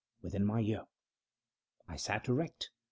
within my ear. I sat erect.